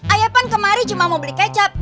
ayah kan kemari cuma mau beli kecap